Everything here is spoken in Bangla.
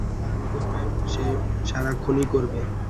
যে ভান করবে, সে সারাক্ষিণই করবে।